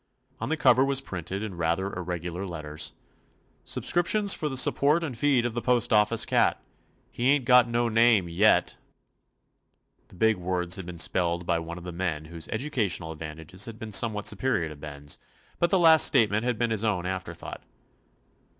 On the cover was printed in rather irregular letters: "Subscriptions for the support and feed of the Postoffice Cat. He ain't got no name yet^ The big words had been spelled by one of the men whose educational advantages had been somewhat superior to Ben's, but the last statement had been his own after thought.